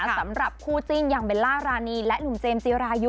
สำหรับคู่จิ้นอย่างเบลล่ารานีและหนุ่มเจมส์จีรายุ